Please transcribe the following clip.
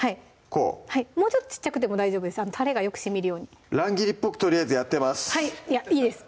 もうちょっと小さくても大丈夫たれがよくしみるように乱切りっぽくとりあえずやってますいいです